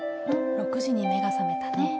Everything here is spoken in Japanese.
６時に目が覚めたね。